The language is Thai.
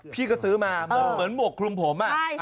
พี่ก็ซื้อมาเหมียวเหมือนบวกกรุงผม